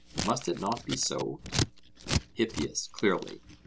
Must it not be so? HIPPIAS: Clearly.